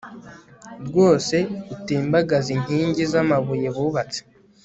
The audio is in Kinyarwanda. rwose utembagaze inkingi z amabuye bubatse